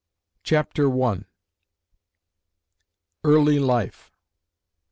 CHAPTER I. EARLY LIFE.